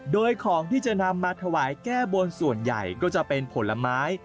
โดยของที่จะนำมาถวายแก้บนส่วนใหญ่ก็จะเป็นผลไม้